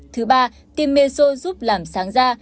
thứ ba tiêm meso giúp làm sáng da